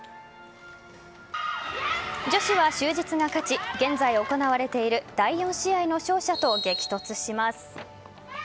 女子は就実が勝ち現在行われている第４試合の勝者と激突します。